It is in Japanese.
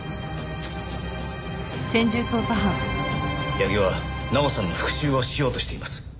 矢木は奈緒さんの復讐をしようとしています。